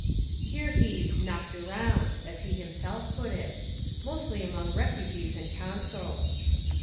Here he "knocked around," as he himself has put it, "mostly among refugees and consuls."